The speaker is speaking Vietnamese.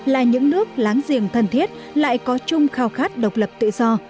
là những nước láng giềng thân thiết lại có chung khao khát độc lập tự do